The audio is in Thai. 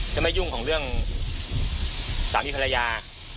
จะไม่ยุ่งของเรื่องสามีภรรยา